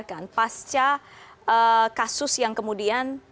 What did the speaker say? kita sekarang jeda